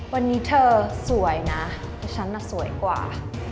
วันนี้เธอสวยนะฉันน่ะสวยกว่า